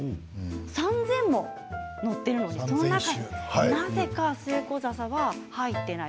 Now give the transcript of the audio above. ３０００も載っているのになぜかスエコザサは入っていない。